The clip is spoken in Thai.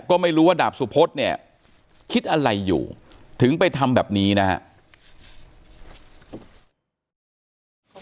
ก็ไม่รู้ว่าดาบสุพธเนี่ยคิดอะไรอยู่ถึงไปทำแบบนี้นะครับ